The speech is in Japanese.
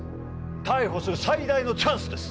逮捕する最大のチャンスです。